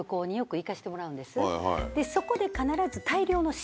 そこで必ず。